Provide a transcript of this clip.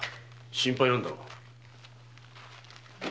心配なのだろう。